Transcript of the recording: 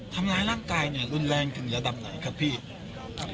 ทำร้ายร่างกายเนี่ยรุนแรงถึงระดับไหนครับพี่